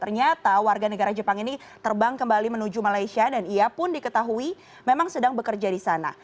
ternyata warga negara jepang ini terbang kembali menuju malaysia dan ia pun diketahui memang sedang bekerja di sana